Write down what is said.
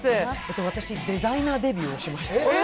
私、デザイナーデビューをしました。